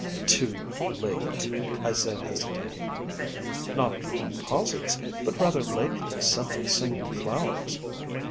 "Too late?" I said hesitatingly. "Not for com posites, but rather late for the simple singing flowers.